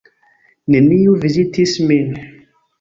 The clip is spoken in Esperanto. Neniu vizitis min.